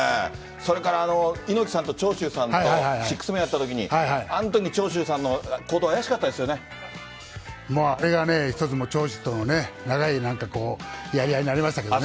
それから猪木さんと長州さんとシックスもやったときに、あんときに長州さんの行動、あれがね、一つ、長州との長いなんかこう、やり合いになりましたけれどもね。